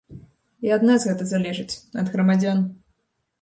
І ад нас гэта залежыць, ад грамадзян.